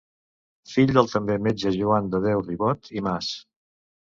Fill del també metge Joan de Déu Ribot i Mas.